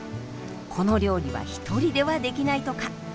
この料理は一人ではできないとか。